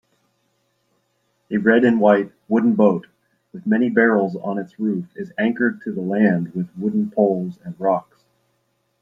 A red and white wooden boat with many barrels on its roof is anchored to the land with wooden poles and rocks